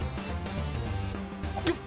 よっ！